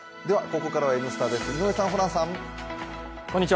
ここからは「Ｎスタ」です、井上さん、ホランさん。